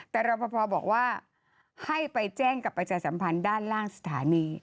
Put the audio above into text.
แต่รอพอบอกว่าให้ไปแจ้งกับประชาสัมพันธ์ด้านล่างสถานี